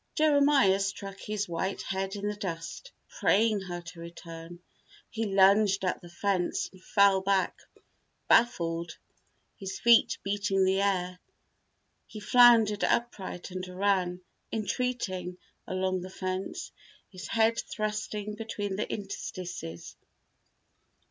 Jeremiah struck his white head in the dust, praying her to return. He lunged at the fence and fell back, baffled, his feet beating the air. He floundered upright and ran, entreating, along the fence, his head thrusting between the interstices.